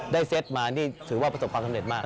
เซตมานี่ถือว่าประสบความสำเร็จมาก